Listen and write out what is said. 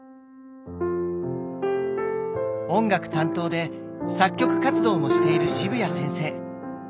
音楽担当で作曲活動もしている渋谷先生。